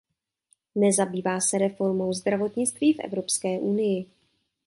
Nezabývá se reformou zdravotnictví v Evropské unii.